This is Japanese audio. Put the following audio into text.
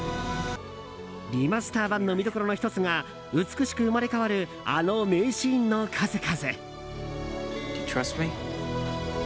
リマスター版の見どころの１つが美しく生まれ変わるあの名シーンの数々。